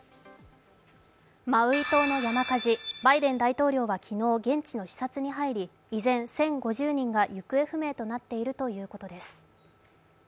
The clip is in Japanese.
マウイ島の山火事、バイデン大統領は昨日、現地の視察に入り依然、１０５０人が行方不明となっているということです。